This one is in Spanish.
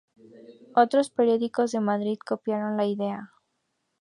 Otros periódicos de Madrid copiaron la idea.